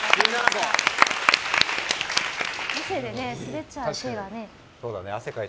汗で滑っちゃう、手がね。